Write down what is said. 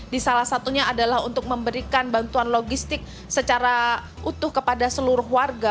di salah satunya adalah untuk memberikan bantuan logistik secara utuh kepada seluruh warga